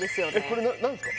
これ何すか？